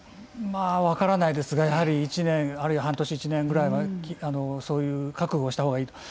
まあ分からないですがやはり１年あるいは半年１年ぐらいはそういう覚悟をした方がいいと。